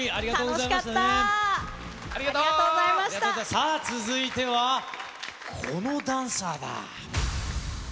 さあ、続いては、このダンサーだ。